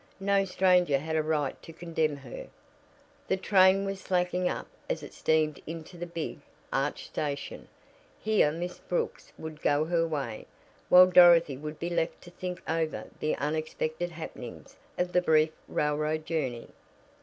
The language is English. No stranger had a right to condemn her. The train was slacking up as it steamed into the big, arched station. Here Miss Brooks would go her way, while Dorothy would be left to think over the unexpected happenings of the brief railroad journey.